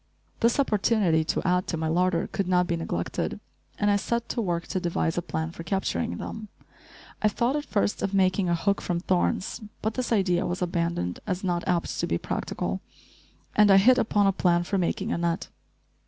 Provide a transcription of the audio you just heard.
This opportunity to add to my larder could not be neglected, and I set to work to devise a plan for capturing them. I thought, at first, of making a hook from thorns; but this idea was abandoned as not apt to be practical, and I hit upon a plan for making a net.